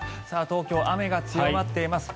東京、雨が強まっています。